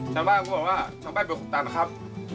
ฉันว่าช่องแป้งเป็นของตาบนะครับ